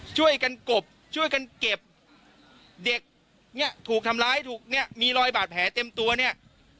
ช่วยกันกบช่วยกันเก็บเด็กเนี่ยถูกทำร้ายถูกเนี่ยมีรอยบาดแผลเต็มตัวเนี่ย